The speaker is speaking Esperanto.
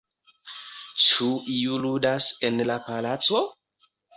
Ĉu iu ludas en la palaco?